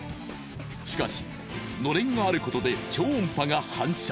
しかし暖簾があることで超音波が反射。